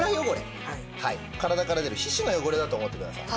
体から出る皮脂の汚れだと思ってください。